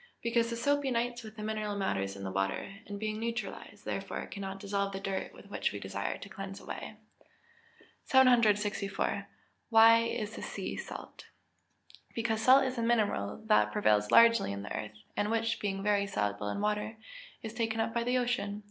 _ Because the soap unites with the mineral matters in the water, and being neutralised thereby, cannot dissolve the dirt which we desire to cleanse away. 764. Why is the sea salt? Because salt is a mineral which prevails largely in the earth, and which, being very soluble in water, is taken up by the ocean.